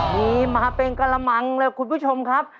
มีมาเป็นกระมังเลยคุณผู้ชมครับ